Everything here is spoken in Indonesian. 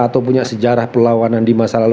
atau punya sejarah perlawanan di masa lalu